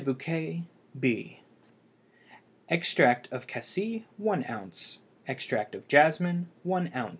BOUQUET, B. Extract of cassie 1 oz. Extract of jasmine 1 oz.